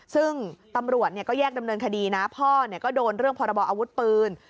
ซึ่งตำรวจก็แยกดำเนินคดีนะพ่อก็โดนเรื่องพรบออาวุธปืน